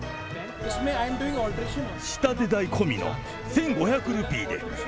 仕立て代込みの１５００ルピーで。